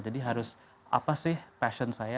jadi harus apa sih passion saya